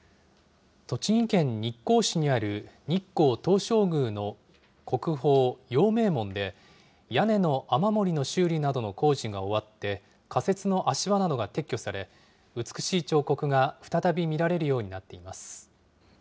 栃木県日光市にある日光東照宮の国宝、陽明門で、屋根の雨漏りの修理などの工事が終わって、仮設の足場などが撤去され、美しい彫刻が再び見られるようになっています。